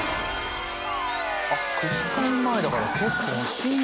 ９時間前だから結構もう深夜。